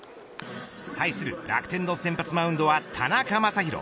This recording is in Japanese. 対する楽天の先発マウンドは田中将大。